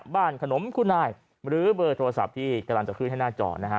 ขนมคุณายหรือเบอร์โทรศัพท์ที่กำลังจะขึ้นให้หน้าจอนะฮะ